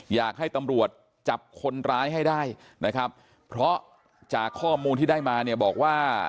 อยากให้ตำรวจจับคนร้ายให้ได้นะครับเพราะจากข้อมูลที่ได้มาเนี่ยบอกว่า